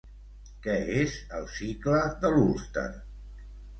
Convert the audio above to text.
Què és el cicle de l'Ulster?